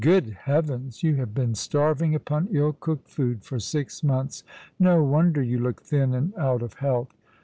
" Good heavens ! You have been starving upon ill cooked food for six months. No wonder you look thin and out of health."